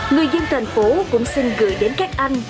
người dân thành phố cũng xin gửi đến các anh